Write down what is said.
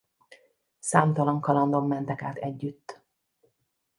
Számtalan kalandon mentek át együtt.